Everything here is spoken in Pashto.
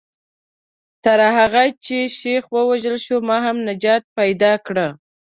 تر هغه چې شیخ ووژل شو ما هم نجات پیدا کړ.